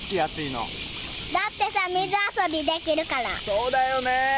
そうだよねー。